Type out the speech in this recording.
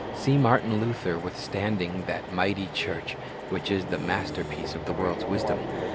See Martin Luther withstanding that mighty church which is the masterpiece of the world's wisdom.